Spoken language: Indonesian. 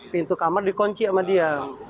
pintu kamar dikunci sama dia